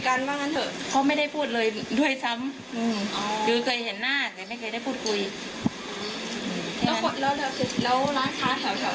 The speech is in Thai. แล้วร้านชาติแถวนี้มีใครที่สนิทกับเขาหรือเปล่า